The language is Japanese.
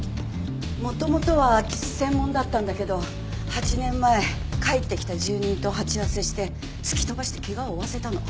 元々は空き巣専門だったんだけど８年前帰ってきた住人と鉢合わせして突き飛ばして怪我を負わせたの。